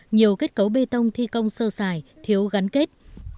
nhiều kết cấu bê tông thi công sơ xài thiếu gắn kết